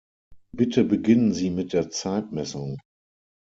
Bitte beginnen Sie mit der Zeitmessung.